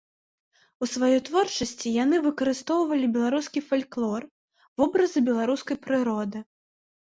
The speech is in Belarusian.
У сваёй творчасці яны выкарыстоўвалі беларускі фальклор, вобразы беларускай прыроды.